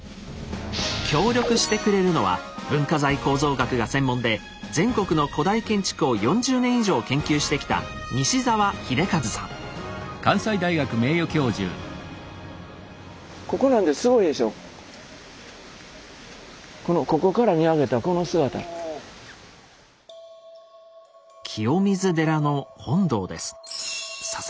協力してくれるのは文化財構造学が専門で全国の古代建築を４０年以上研究してきた清水寺の本堂です。